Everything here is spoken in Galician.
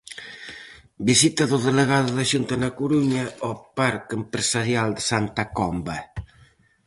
Visita do delegado da Xunta na Coruña ao parque empresarial de Santa Comba.